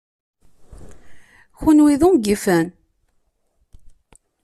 Kenwi d ungifen!